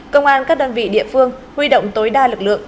công an các đơn vị địa phương huy động tối đa lực lượng